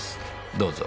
どうぞ。